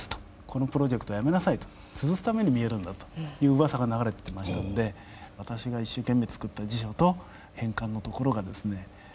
このプロジェクトをやめなさいと潰すためにみえるんだといううさわが流れてましたんで私が一生懸命作った辞書と変換のところがですね